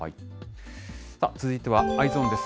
さあ、続いてはＥｙｅｓｏｎです。